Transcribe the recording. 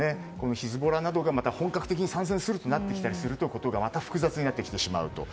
ヒズボラなどが本格的に参戦するとなってきたりすると事がまた複雑になってきてしまうと。